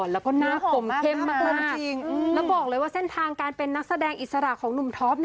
แล้วก็หน้าผมเข้มมากจริงแล้วบอกเลยว่าเส้นทางการเป็นนักแสดงอิสระของหนุ่มท็อป